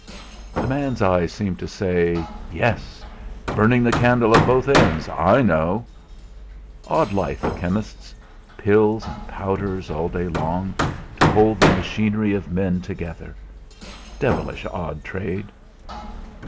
The man's eyes seemed to say: 'Yes! Burning the candle at both ends I know!' Odd life, a chemist's; pills and powders all day long, to hold the machinery of men together! Devilish odd trade!